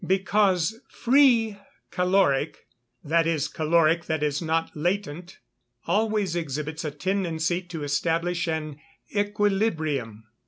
_ Because free caloric (that is, caloric that is not latent,) always exhibits a tendency to establish an equilibrium.